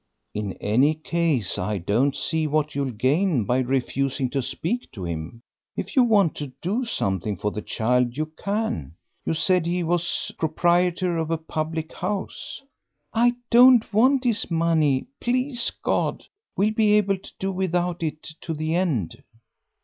"In any case I don't see what you'll gain by refusing to speak to him; if you want to do something for the child, you can. You said he was proprietor of a public house." "I don't want his money; please God, we'll be able to do without it to the end."